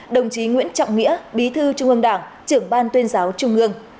đồng chí nguyễn trọng nghĩa bí thư trung ương đảng trưởng ban tuyên giáo trung ương